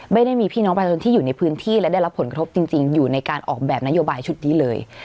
ไม่ได้มีพี่น้องประชาชนที่อยู่ในพื้นที่และได้รับผลกระทบจริงอยู่ในการออกแบบนโยบายชุดนี้เลย